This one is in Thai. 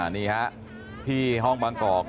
นี่ฮะที่ห้องบางกอก